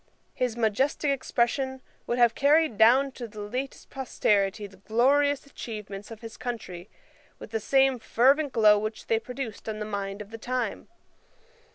His majestick expression would have carried down to the latest posterity the glorious achievements of his country with the same fervent glow which they produced on the mind of the time.